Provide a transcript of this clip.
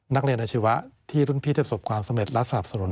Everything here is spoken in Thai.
นักเรียนอาชีวะที่รุ่นพี่จะประสบความสำเร็จและสนับสนุน